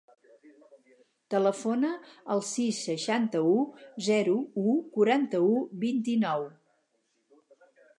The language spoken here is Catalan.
Telefona al sis, seixanta-u, zero, u, quaranta-u, vint-i-nou.